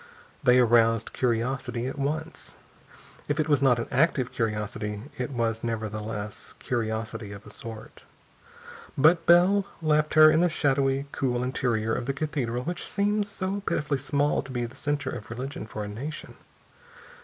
They aroused curiosity at once. If it was not an active curiosity, it was nevertheless curiosity of a sort. But Bell left her in the shadowy, cool interior of the cathedral which seems so pitifully small to be the center of religion for a nation.